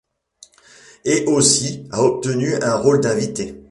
Et aussi, a obtenu un rôle d'invité.